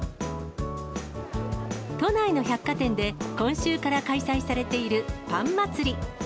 都内の百貨店で、今週から開催されているパン祭り。